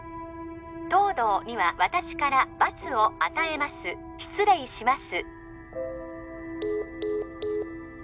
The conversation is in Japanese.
東堂には私から罰を与えます失礼します